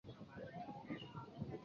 其余规则照本将棋。